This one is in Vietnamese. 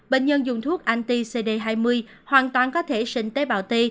bệnh nhân dùng thuốc ant cd hai mươi hoàn toàn có thể sinh tế bào t